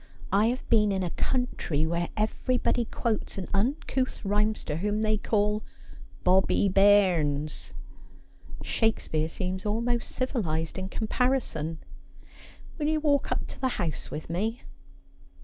I have been in a country where everybody quotes an uncouth rhymester whom they call Bobbie Bairrns. Shakespeare seems almost civilised in comparison. Will you walk up to the house with me